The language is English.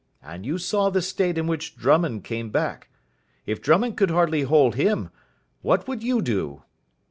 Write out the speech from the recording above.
And you saw the state in which Drummond came back. If Drummond could hardly hold him, what would you do?"